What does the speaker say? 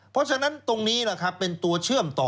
เพราะฉะนั้นตรงนี้เป็นตัวเชื่อมต่อ